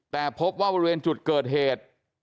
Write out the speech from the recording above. แต่พบว่าบริเวณจุดเกิดเหตุ